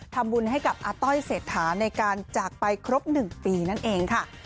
ทำบุญให้กับอาต้อยเศรษฐาในการจากไปครบ๑ปีนั่นเองค่ะ